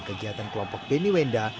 kegiatan kelompok beni wenda